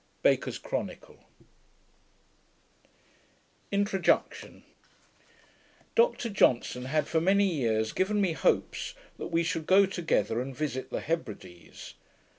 Baker's Chronicle Dr Johnson had for many years given me hopes that we should go together, and visit the Hebrides.